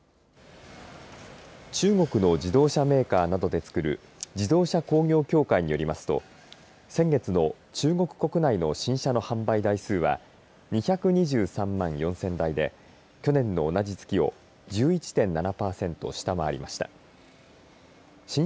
中国の自動車メーカーなどでつくる自動車工業協会によりますと先月の中国国内の新車の販売台数は２２３万４０００台で去年の同じ月を１１．７パーセント下回りました。